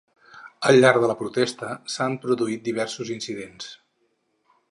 Al llarg de la protesta s’han produït diversos incidents.